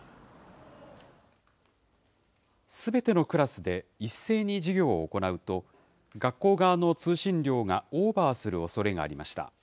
すべてのクラスで一斉に授業を行うと、学校側の通信量がオーバーするおそれがありました。